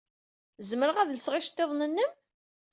Zemreɣ ad lseɣ iceḍḍiḍen-nnem?